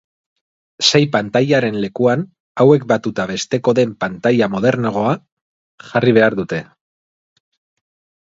Sei pantailaren lekuan, hauek batuta besteko den pantaila modernoagoa jarri behar dute.